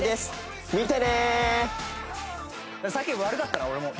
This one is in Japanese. さっき悪かったな俺も。